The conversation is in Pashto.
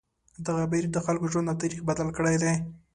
دغه بهیر د خلکو ژوند او تاریخ بدل کړی دی.